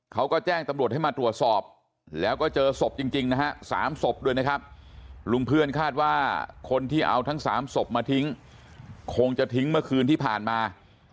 เขาก็แจ้งตำรวจให้มาตรวจสอบแล้วก็เจอศพจริงนะฮะ๓ศพด้วยนะครับลุงเพื่อนคาดว่าคนที่เอาทั้ง๓ศพมาทิ้งคงจะทิ้งเมื่อคืนที่ผ่านมา